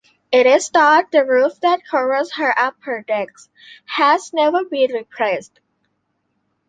It is thought the roof that covers her upper deck has never been replaced.